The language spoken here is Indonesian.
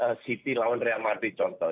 jangan kayak city lawan real madrid contoh